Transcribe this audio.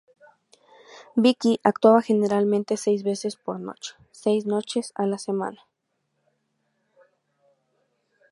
Vicky actuaba generalmente seis veces por noche, seis noches a la semana.